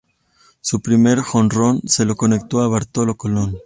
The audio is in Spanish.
Su primer jonrón se lo conectó a Bartolo Colón.